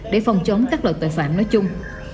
để phòng chống các loại tội phạm nói chung